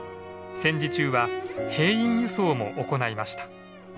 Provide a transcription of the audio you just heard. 戦時中は兵員輸送も行いました。